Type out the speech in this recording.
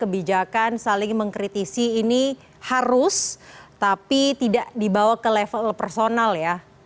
kebijakan saling mengkritisi ini harus tapi tidak dibawa ke level personal ya